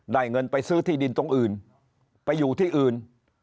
เงินไปซื้อที่ดินตรงอื่นไปอยู่ที่อื่น